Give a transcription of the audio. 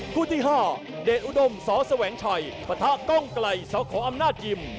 คู่ที่ห้าเดชอุดมสแสวงชัยประทะกองกลัยสขออำนาจจิม